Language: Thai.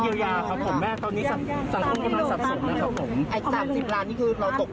เขาแนะนำมาอย่างนี้ค่ะ